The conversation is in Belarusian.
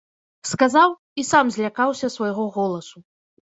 Сказаў і сам злякаўся свайго голасу.